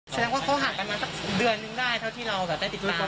แสดงว่าเขาห่างกันมาสักเดือนนึงได้เท่าที่เราแบบได้ติดตาม